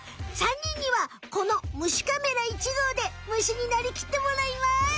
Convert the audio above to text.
３にんにはこの虫カメラ１号で虫になりきってもらいます！